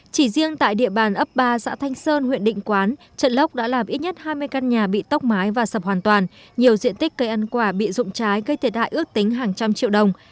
chỉ riêng tại địa bàn ấp ba xã thanh sơn huyện định quán trận lốc đã làm ít nhất hai mươi căn nhà bị tốc mái và sập hoàn toàn nhiều diện tích cây ăn quả bị rụng trái gây thiệt hại ước tính hàng trăm triệu đồng